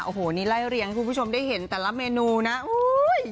โอ้โหนี่ไล่เรียงให้คุณผู้ชมได้เห็นแต่ละเมนูนะอุ้ย